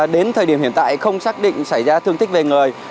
đến thời điểm hiện tại không xác định xảy ra thương tích về người